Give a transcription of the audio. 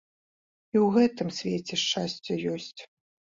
І ў гэтым свеце шчасце ёсць.